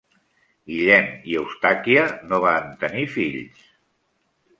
Guillem i Eustàquia no va tenir fills.